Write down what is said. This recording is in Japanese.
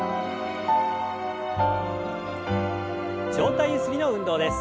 上体ゆすりの運動です。